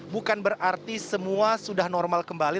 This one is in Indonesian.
bukan berarti semua sudah normal kembali